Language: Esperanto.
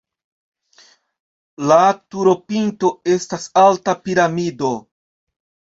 La turopinto estas alta piramido.